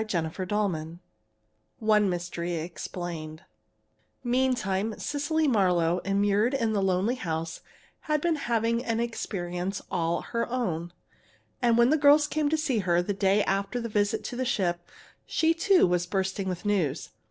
CHAPTER XVI ONE MYSTERY EXPLAINED Meantime, Cecily Marlowe, immured in the lonely house, had been having an experience all her own. And when the girls came to see her, the day after the visit to the ship, she too was bursting with news.